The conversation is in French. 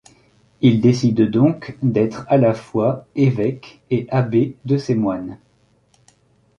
Il décide donc d'être à la fois évêque et abbé de ses moines.